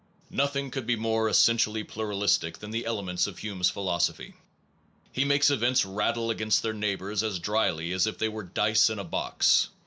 Nothing could be more essentially plural istic than the elements of Hume s philosophy. He makes events rattle against their neighbors as drily as if they were dice in a box.